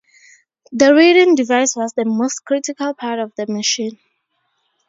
The reading device was the most critical part of the machine.